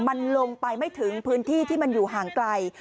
มันลงไปไม่ถึงพื้นที่ที่มันอยู่ห่างไกล